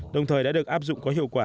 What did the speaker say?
đồng thời đã được áp dụng có hiệu quả